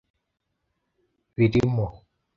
birimo